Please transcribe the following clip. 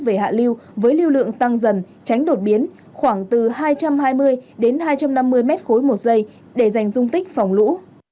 về hạ lưu với lưu lượng tăng dần tránh đột biến khoảng từ hai trăm hai mươi đến hai trăm năm mươi mét khối một giây để giành dung tích phòng lũ